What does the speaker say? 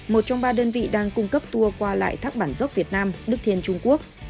một trong ba đơn vị đang cung cấp tour qua lại thác bản dốc việt nam đức thiên trung quốc